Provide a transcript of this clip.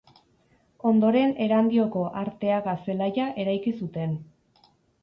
Ondoren Erandioko Arteaga zelaia eraiki zuten.